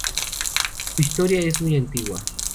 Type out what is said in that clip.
Su historia es muy antigua.